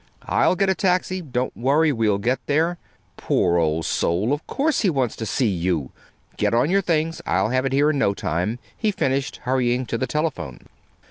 "I'll get a taxi. Don't worry we'll get there. Poor old soul of course he wants to see you! Get on your things. I'll have it here in no time," he finished, hurrying to the telephone.